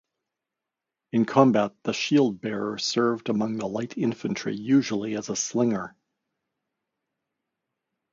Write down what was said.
In combat, the shield bearer served among the light infantry, usually as a slinger.